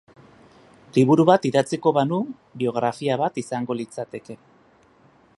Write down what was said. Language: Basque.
Liburu bat idatziko banu biografia bat izango litzateke.